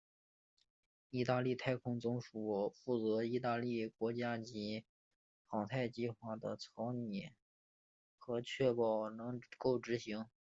义大利太空总署负责义大利国家级航太计划的草拟和确保能够执行。